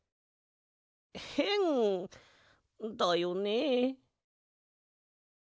へんだよね？